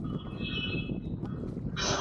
جارج واټسن د مسودي په اړه څه ویلي دي؟